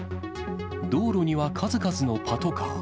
道路には数々のパトカー。